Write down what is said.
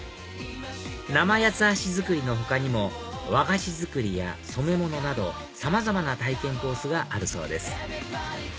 生八つ橋作りの他にも和菓子作りや染め物などさまざまな体験コースがあるそうです